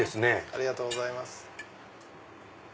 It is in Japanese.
ありがとうございます。